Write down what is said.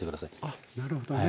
あっなるほどね。